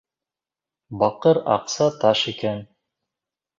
Баҡыр аҡса таш икән.